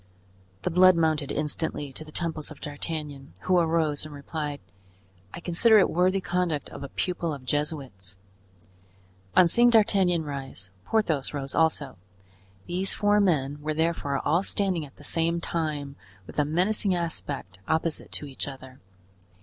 The blood mounted instantly to the temples of D'Artagnan, who arose, and replied: "I consider it worthy conduct of a pupil of Jesuits." On seeing D'Artagnan rise, Porthos rose also; these four men were therefore all standing at the same time, with a menacing aspect, opposite to each other.